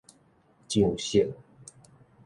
上色